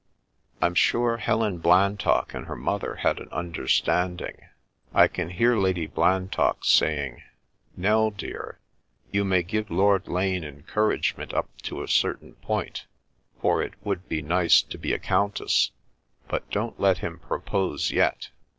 I'm sure Helen Blantock and her mother had an understand ing. I can hear Lady Blantock saying, * Nell, dear, you may give Lord Lane encouragement up to a certain point, for it would be nice to be a coimtess; but don't let him propose yet.